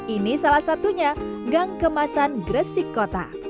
ini salah satunya gang kemasan gresik kota